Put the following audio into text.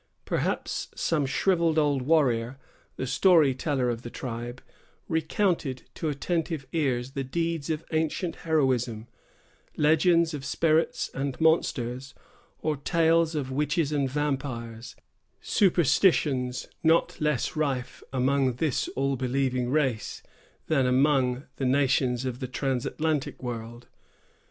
Perhaps some shrivelled old warrior, the story teller of the tribe, recounted to attentive ears the deeds of ancient heroism, legends of spirits and monsters, or tales of witches and vampires——superstitions not less rife among this all believing race, than among the nations of the transatlantic world.